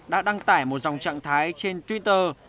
đã đăng tải một dòng trạng thái trên twitter